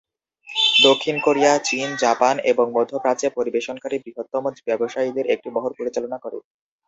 দক্ষিণ কোরিয়া চীন, জাপান এবং মধ্য প্রাচ্যে পরিবেশনকারী বৃহত্তম ব্যবসায়ীদের একটি বহর পরিচালনা করে।